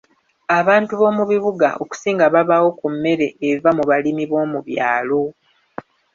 Abantu b'omu bibuga, okusinga babaawo ku mmere eva mu balimi b'omu byalo.